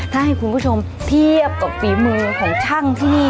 ถ้าให้คุณผู้ชมเทียบกับฝีมือของช่างที่นี่